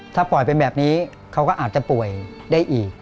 ถ้าปล่อยเป็นแบบนี้เขาก็อาจจะป่วยได้อีก